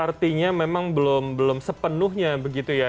artinya memang belum sepenuhnya begitu ya